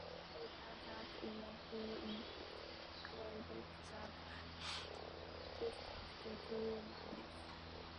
Later that year he increased that distance to two miles.